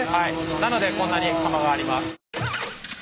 なのでこんなに釜はあります。